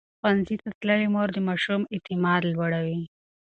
ښوونځې تللې مور د ماشوم اعتماد لوړوي.